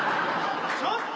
ちょっと！